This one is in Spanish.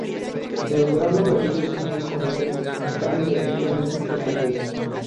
En el verano las lluvias son muy comunes en cambio en invierno apenas llueve.